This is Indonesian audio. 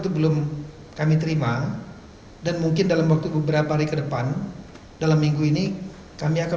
itu belum kami terima dan mungkin dalam waktu beberapa hari kedepan dalam minggu ini kami akan